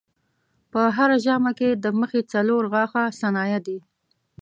په هره ژامه کې د مخې څلور غاښه ثنایا دي.